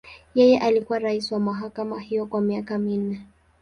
Yeye alikuwa rais wa mahakama hiyo kwa miaka minne.